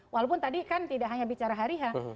walaupun tadi kan tidak hanya bicara harihan